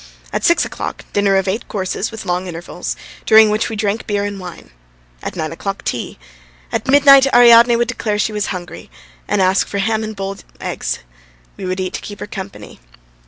At six o'clock dinner of eight courses with long intervals, during which we drank beer and wine. At nine o'clock tea. At midnight Ariadne would declare she was hungry, and ask for ham and boiled eggs. We would eat to keep her company.